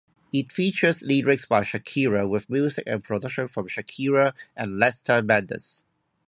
It features lyrics by Shakira with music and production from Shakira and Lester Mendez.